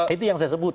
itu yang saya sebut